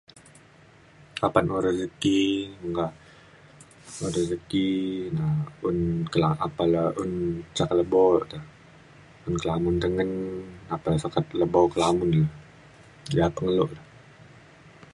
apan un rezeki meka rezeki na un kela apan le un ca ke lebo te un ke lamun tengen apan le sukat lebo ke lamun je ya pengelo